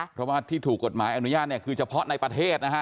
เพราะว่าที่ถูกกฎหมายอนุญาตเนี่ยคือเฉพาะในประเทศนะฮะ